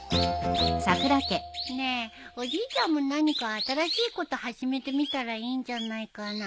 ねえおじいちゃんも何か新しいこと始めてみたらいいんじゃないかな。